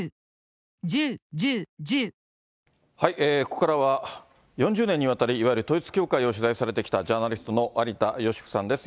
ここからは、４０年にわたり、いわゆる統一教会を取材されてきた、ジャーナリストの有田芳生さんです。